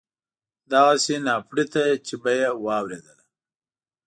دغسې ناپړېته چې به یې واورېدله.